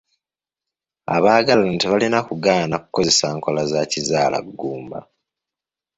Abagalana tebalina kugaana kukozesa nkola za kizaalaggumba.